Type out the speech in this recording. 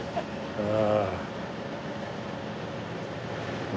ああ。